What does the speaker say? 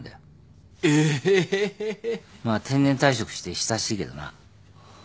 まあ定年退職して久しいけどな。